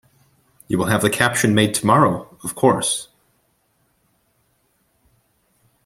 You will have the caption made tomorrow, of course?